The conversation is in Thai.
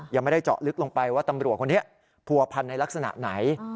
ยังไม่ได้เจาะลึกลงไปว่าตำรวจคนนี้ผัวพันในลักษณะไหน